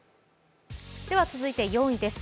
続いて４位です。